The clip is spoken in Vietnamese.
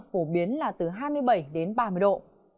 phổ biến là từ hai mươi bảy đến ba mươi độ